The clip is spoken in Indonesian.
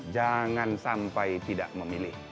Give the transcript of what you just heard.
jangan sampai tidak memilih